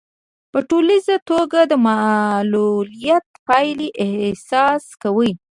په ټولیزه توګه د معلوليت پايلې احساس کوي.